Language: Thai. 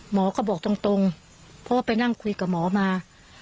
หมอก็บอกตรงเพราะว่าไปนั่งคุยกับหมอมา